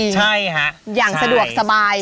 ใช่ฮะอย่างสะดวกสบาย